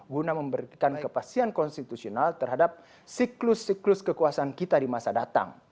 guna memberikan kepastian konstitusional terhadap siklus siklus kekuasaan kita di masa datang